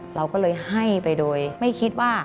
เราก็เลยให้ไปโดยไม่คิดว่า